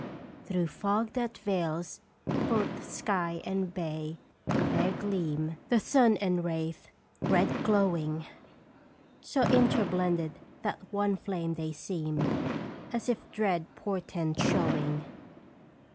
"Through fog that veils both sky and bay there gleam The sun and wraith, red glowing ; So interblended that one flame they seem As if dread portent showing.